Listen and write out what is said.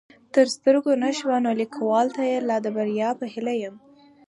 تر سترګو نه شوه نو ليکوال ته يې د لا بريا په هيله يم